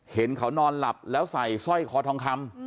เห็นเขานอนหลับแล้วใส่สร้อยคอทองคำ